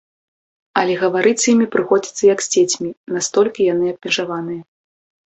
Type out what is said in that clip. Але гаварыць з імі прыходзіцца як з дзецьмі, настолькі яны абмежаваныя.